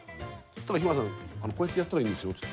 日村さん、こうやってやったらいいんですよって。